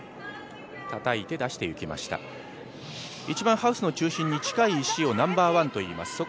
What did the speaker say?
一番ハウスの中心に近い石をナンバーワンといいます。